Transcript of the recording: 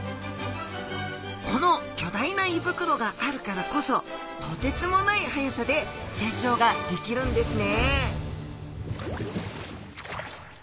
この巨大な胃袋があるからこそとてつもないはやさで成長ができるんですね